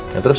ya terus apa